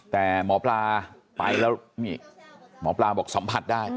แต่หมอปลาไปแล้วนี่หมอปลาบอกสัมผัสได้